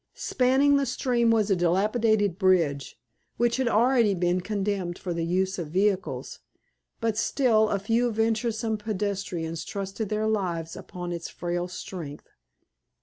Spanning the stream was a dilapidated bridge, which had already been condemned for the use of vehicles; but still a few venturesome pedestrians trusted their lives upon its frail strength.